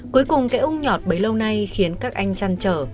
cuối cùng cái úng nhọt bấy lâu nay khiến các anh chăn trở